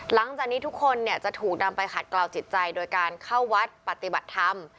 หลังจากนี้ทุกคนจะถูกนำไปขัดกล่าวจิตใจโดยการเข้าวัดปฏิบัติธรรม